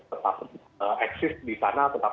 tetap eksis di sana tetap